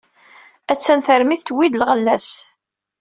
Atta termit tewwi-d lɣella-s.